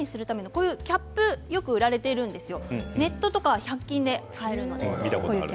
こういうキャップ、よく売られているんですよ。